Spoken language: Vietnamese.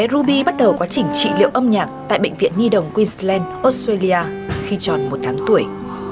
ruby bắt đầu quá trình trị liệu âm nhạc tại bệnh viện nhi đồng queensland australia khi tròn một tháng tuổi